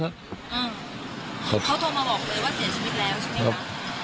อ่าเขาโทรมาบอกเลยว่าเสียชีวิตแล้วใช่ไหมคะ